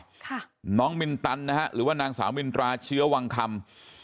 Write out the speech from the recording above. ค่ะน้องมินตันนะฮะหรือว่านางสาวมินตราเชื้อวังคำ